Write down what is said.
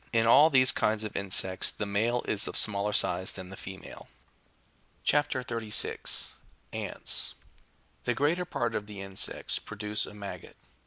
In all these kinds of insects the male is of smaller size than the female. chap. 36. (30.) — ants. The greater part of the insects produce a maggot.